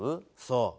そう。